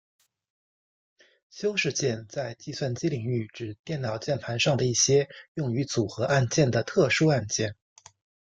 修饰键在计算机领域指电脑键盘上的一些用于组合按键的特殊按键。